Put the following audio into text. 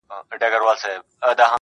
هغه عذابونه، چې زړه کې مو دېره شوې